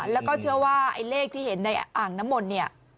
แล้วก็เชื่อว่าไอ้เลขที่เห็นในอ่างน้ำมนต์เนี่ย